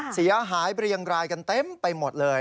เสียหายเรียงรายกันเต็มไปหมดเลย